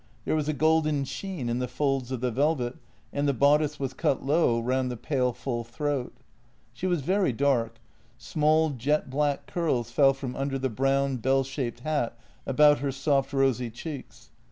There was a golden sheen in the folds of the velvet, and the bodice was cut low round the pale, full throat. She was very dark; small, jet black curls fell from under the brown bell shaped hat about her soft, rosy cheeks.